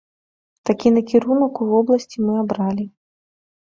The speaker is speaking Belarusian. Такі накірунак у вобласці мы абралі.